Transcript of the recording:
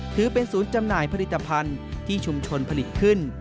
ถือเป็นศูนย์จำหน่ายผลิตภัณฑ์ที่ชุมชนผลิตขึ้น